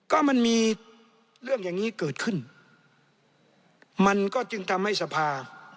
ก็มันมีเรื่องอย่างนี้เกิดขึ้นมันก็จึงทำให้สภา